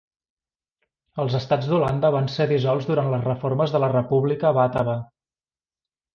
Els estats d'Holanda van ser dissolts durant les reformes de la República batava.